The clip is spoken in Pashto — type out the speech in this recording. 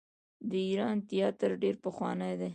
د ایران تیاتر ډیر پخوانی دی.